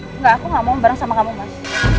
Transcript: enggak aku gak mau bareng sama kamu mas